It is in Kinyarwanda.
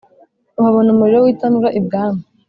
babona umuriro witanura ibwami